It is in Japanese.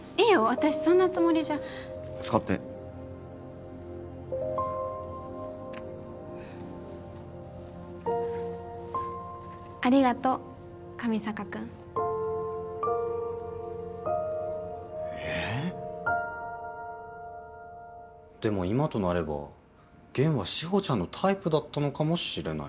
私そんなつもりじ使ってありがとう上坂君ええでも今となれば弦は志保ちゃんのタイプだったのかもしれない。